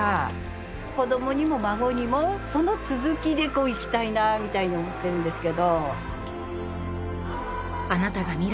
子供にも孫にもその続きでこういきたいなみたいに思ってるんですけど。